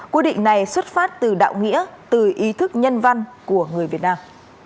quyết định này xuất phát từ đạo nghĩa từ ý thức nhân văn của người việt nam